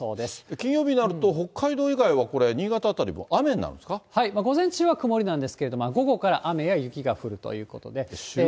金曜日になると、北海道以外はこれ、午前中は曇りなんですけど、午後から雨や雪が降るということで。